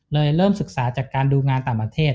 เริ่มศึกษาจากการดูงานต่างประเทศ